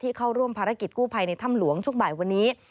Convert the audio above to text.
เข้าร่วมภารกิจกู้ภัยในถ้ำหลวงช่วงบ่ายวันนี้